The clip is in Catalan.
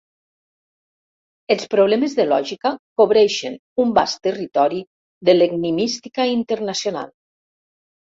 Els problemes de lògica cobreixen un vast territori de l'enigmística internacional.